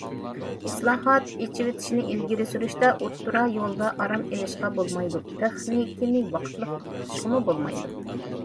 ئىسلاھات، ئېچىۋېتىشنى ئىلگىرى سۈرۈشتە،« ئوتتۇرا يولدا ئارام ئېلىشقا بولمايدۇ»،« تېخنىكىنى ۋاقىتلىق توختىتىشقىمۇ بولمايدۇ».